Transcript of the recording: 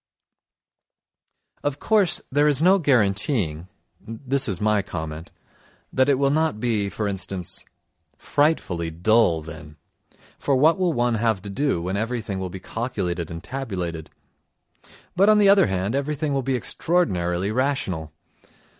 Of course there is no guaranteeing (this is my comment) that it will not be, for instance, frightfully dull then (for what will one have to do when everything will be calculated and tabulated), but on the other hand everything will be extraordinarily rational.